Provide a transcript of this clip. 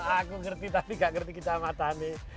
aku ngerti tapi gak ngerti kecamatan nih